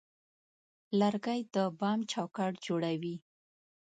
لرګی د بام چوکاټ جوړوي.